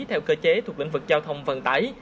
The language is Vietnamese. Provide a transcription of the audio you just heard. theo cơ chế thuộc lĩnh vực giao thông vận tải